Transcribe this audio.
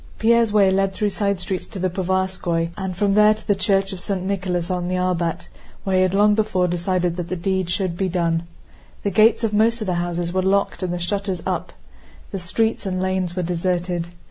Pierre's way led through side streets to the Povarskóy and from there to the church of St. Nicholas on the Arbát, where he had long before decided that the deed should be done. The gates of most of the houses were locked and the shutters up. The streets and lanes were deserted.